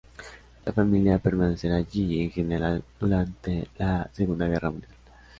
La familia permanecerá allí en general durante la Segunda Guerra Mundial.